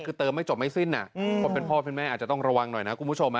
คือเติมไม่จบไม่สิ้นคนเป็นพ่อเป็นแม่อาจจะต้องระวังหน่อยนะคุณผู้ชม